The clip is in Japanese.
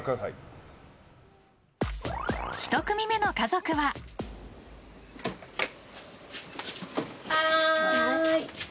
１組目の家族は。